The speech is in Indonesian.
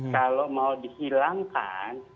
kalau mau dihilangkan